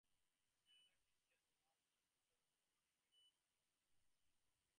Helena, a Christian, was the mother of the Roman emperor Constantine the First.